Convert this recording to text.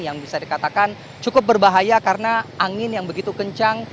yang bisa dikatakan cukup berbahaya karena angin yang begitu kencang